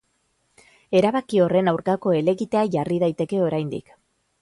Erabaki horren aurkako helegitea jarri daiteke oraindik.